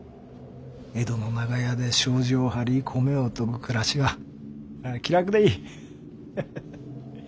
江戸の長屋で障子を張り米を研ぐ暮らしは気楽でいい。ハハハ。